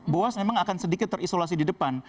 boas memang akan sedikit terisolasi di depan